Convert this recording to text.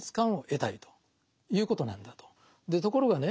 ところがね